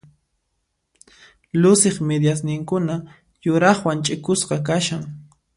Luciq midiasninkuna yuraqwan ch'ikusqa kashan.